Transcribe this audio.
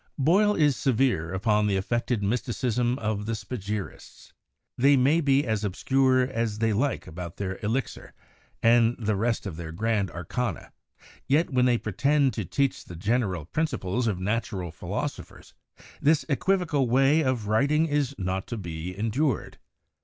Boyle is severe upon the affected mysticism of the Spa gyrists. They may be as obscure as they like about their elixir, and the rest of their grand arcana, "yet when they pretend to teach the general principles of natural philoso phers, this equivocal way of writing is not to be endured.